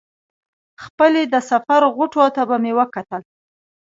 خپلې د سفر غوټو ته به مې وکتل.